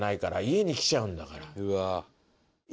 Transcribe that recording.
家に来ちゃうんだから。